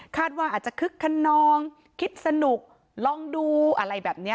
ว่าอาจจะคึกขนองคิดสนุกลองดูอะไรแบบนี้